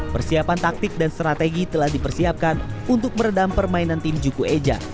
persiapan taktik dan strategi telah dipersiapkan untuk meredam permainan tim juku eja